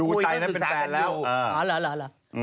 ดูใจกันเป็นแฟนแล้ว